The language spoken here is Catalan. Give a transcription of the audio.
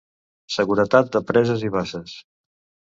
Seguretat de preses i basses.